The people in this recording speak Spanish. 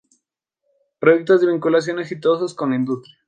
Proyectos de vinculación exitosos con la industria